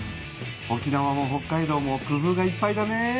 沖縄も北海道も工夫がいっぱいだね。